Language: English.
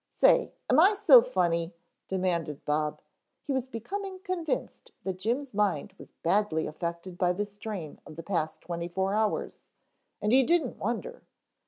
"Say, am I so funny?" demanded Bob. He was becoming convinced that Jim's mind was badly affected by the strain of the past twenty four hours, and he didn't wonder.